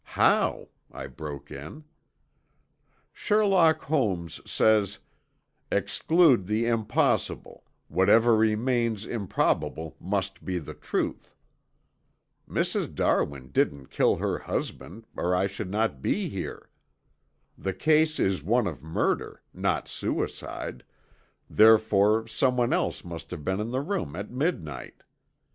"How?" I broke in. "Sherlock Holmes says, 'Exclude the impossible, whatever remains improbable must be the truth.' Mrs. Darwin didn't kill her husband or I should not be here. The case is one of murder, not suicide, therefore someone else must have been in the room at midnight.